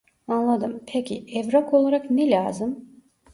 Anladım pekiyi evrak olarak ne lazım